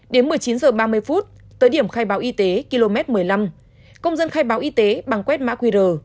đến một mươi chín h ba mươi tới điểm khai báo y tế km một mươi năm công dân khai báo y tế bằng quét mã qr